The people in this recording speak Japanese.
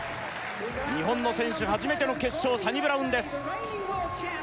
日本の選手初めての決勝サニブラウンです